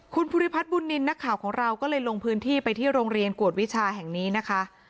คุณภูริพัฒน์บุญนินทร์นักข่าวของเราก็เลยลงพื้นที่ไปที่โรงเรียนกวดวิชาแห่งนี้นะคะ